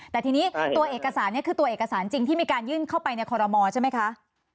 แต่ทีนี้ตัวเอกสารนี้คือตัวเอกสารจริงที่มีการยื่นเข้าไปในคอรมอใช่ไหมคะ